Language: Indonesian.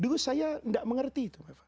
dulu saya tidak mengerti itu